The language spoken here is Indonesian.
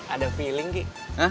ada feeling kik